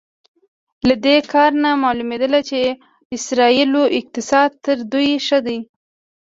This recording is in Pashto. له دې کار نه معلومېدل چې د اسرائیلو اقتصاد تر دوی ښه دی.